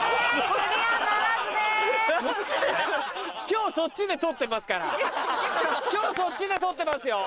今日そっちで取ってますから今日そっちで取ってますよ。